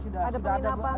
sudah ada penggunaan